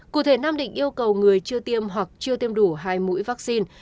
cụ thể nam định yêu cầu người chưa tiêm hoặc chưa tiêm đủ hai mũi vaccine